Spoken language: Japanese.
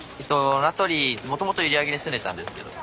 名取もともと閖上に住んでたんですけど。